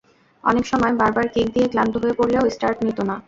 অনেক সময় বারবার কিক দিয়ে ক্লান্ত হয়ে পড়লেও স্টার্ট নিত না।